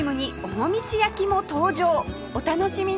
お楽しみに